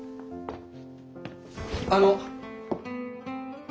あの。